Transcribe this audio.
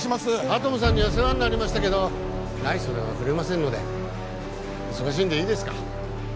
アトムさんには世話になりましたけどない袖は振れませんので忙しいんでいいですか？